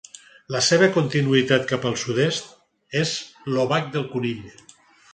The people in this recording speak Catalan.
La seva continuïtat cap al sud-est és l'Obac del Conill.